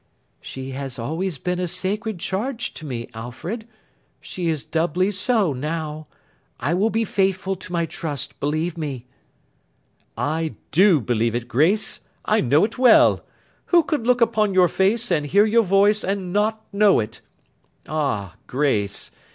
'She has always been a sacred charge to me, Alfred. She is doubly so, now. I will be faithful to my trust, believe me.' 'I do believe it, Grace. I know it well. Who could look upon your face, and hear your voice, and not know it! Ah, Grace!